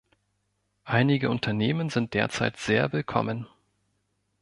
Einige Unternehmen sind derzeit sehr willkommen.